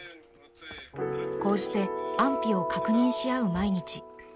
こうして安否を確認し合う毎日。